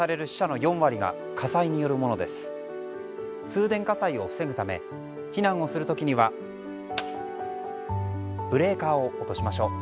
通電火災を防ぐため避難するときにはブレーカーを落としましょう。